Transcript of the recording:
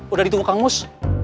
udah ditunggu kang mus